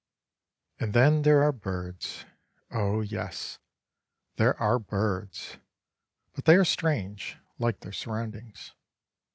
And then there are birds oh yes, there are birds, but they are strange, like their surroundings.